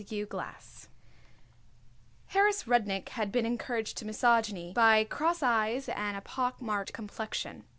Harris Rudnik had been encouraged to misogyny by cross eyes and a pockmarked complexion.